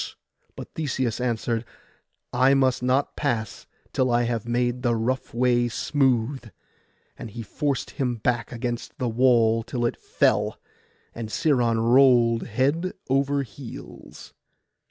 But Theseus answered, 'I must not pass till I have made the rough way smooth;' and he forced him back against the wall till it fell, and Sciron rolled head over heels.